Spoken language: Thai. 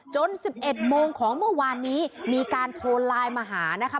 ๑๑โมงของเมื่อวานนี้มีการโทรไลน์มาหานะคะ